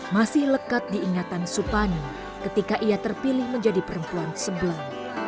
masih lekat diingatan supani ketika ia terpilih menjadi perempuan sebelang